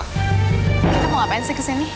kita mau ngapain sih kesini